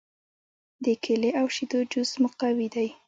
د کیلې او شیدو جوس مقوي دی.